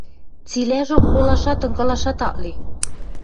Цилӓжок колашат, ынгылашат ак ли.